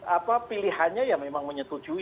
apa pilihannya ya memang menyetujui